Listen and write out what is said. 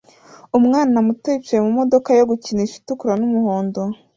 Umwana muto yicaye mumodoka yo gukinisha itukura n'umuhondo